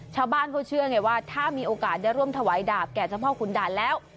ชาวบ้านเขาเชื่อไงว่าถ้ามีโอกาสได้ร่วมถวายดาบแก่เจ้าพ่อขุนด่านแล้ว